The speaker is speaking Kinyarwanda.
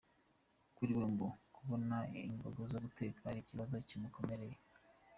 Kuri we, ngo kubona imboga zo guteka cyari ikibazo kimukomereye.